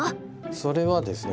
それはですね